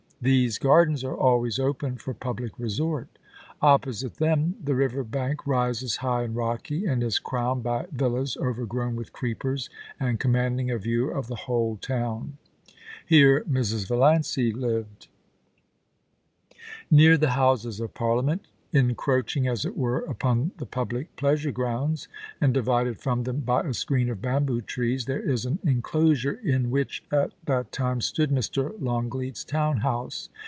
These gardens are always open for public resort Opposite them, the river bank rises high and rocky, and is crowned by villas overgrown with creepers, and commanding a view of the whole town. Here Mrs. Valiancy lived. Near the Houses of Parliament, encroaching, as it were, upon the public pleasure grounds, and divided from them by a screen of bamboo trees, there is an enclosure in which at that time stood Mr. Longleat's town house.